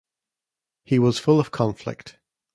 He was full of conflict.